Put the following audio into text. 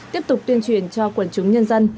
tiếp tục tuyên truyền cho quần chứng nhân dân